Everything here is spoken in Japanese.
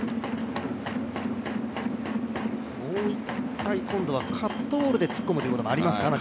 もう一回、今度はカットボールで突っ込むということもありますか。